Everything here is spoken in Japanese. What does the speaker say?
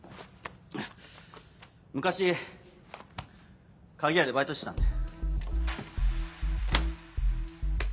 昔鍵屋でバイトしてたんで。